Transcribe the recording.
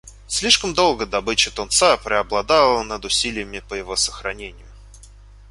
Слишком долго добыча тунца преобладала над усилиями по его сохранению.